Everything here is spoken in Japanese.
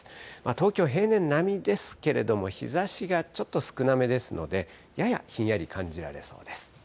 東京、平年並みですけれども、日ざしがちょっと少なめですので、ややひんやり感じられそうです。